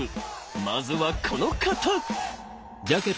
まずはこの方！